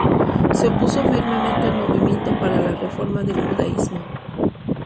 Se opuso firmemente al movimiento para la reforma del judaísmo.